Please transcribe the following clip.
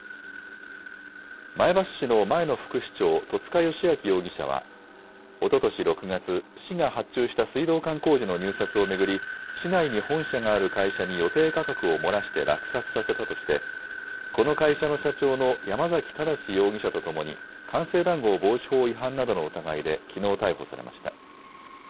前橋市の前の副市長、戸塚良明容疑者は、おととし６月、市が発注した水道管工事の入札を巡り、市内に本社がある会社に予定価格を漏らして落札させたとして、この会社の社長の山崎正容疑者とともに、官製談合防止法違反などの疑いできのう逮捕されました。